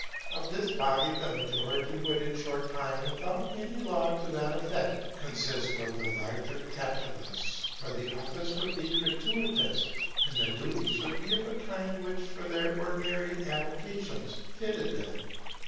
Of this body the majority would in a short time, without any law to that effect, consist of the larger capitalists; for the office would be gratuitous, and the duties would be of a kind for which their ordinary avocations fitted them.